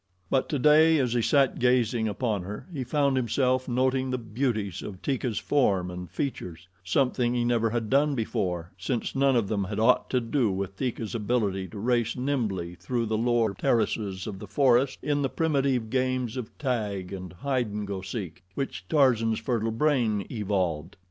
But today, as he sat gazing upon her, he found himself noting the beauties of Teeka's form and features something he never had done before, since none of them had aught to do with Teeka's ability to race nimbly through the lower terraces of the forest in the primitive games of tag and hide and go seek which Tarzan's fertile brain evolved.